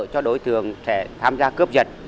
cho đối tượng sẽ tham gia cướp dật